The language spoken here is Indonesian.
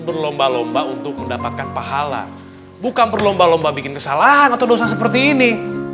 berlomba lomba untuk mendapatkan pahala bukan berlomba lomba bikin kesalahan atau dosa seperti ini